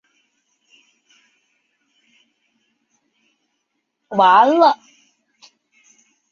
莫鲁阿古杜是巴西圣保罗州的一个市镇。